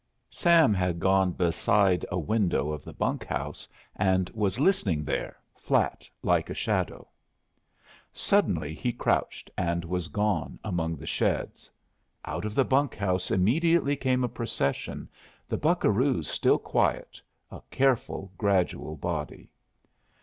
Sam had gone beside a window of the bunkhouse and was listening there, flat like a shadow. Suddenly he crouched, and was gone among the sheds. Out of the bunk house immediately came a procession, the buccaroos still quiet, a careful, gradual body.